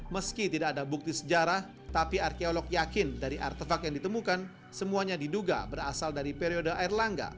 meski tidak ada bukti sejarah tapi arkeolog yakin dari artefak yang ditemukan semuanya diduga berasal dari periode erlangga